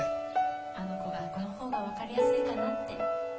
あの子がこの方がわかりやすいかなって